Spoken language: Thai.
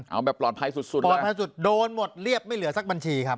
เอาแบบปลอดภัยสุดปลอดภัยสุดโดนหมดเรียบไม่เหลือสักบัญชีครับ